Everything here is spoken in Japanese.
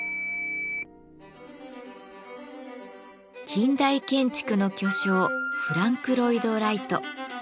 近代建築の巨匠フランク・ロイド・ライト。